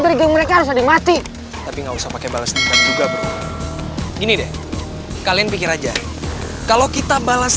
dari geng mereka harus ada yang mati tapi gak usah pakai bales juga bro gini deh kalian pikir aja kalau kita balas dengannya juga lu berpikir aja kalau kita balas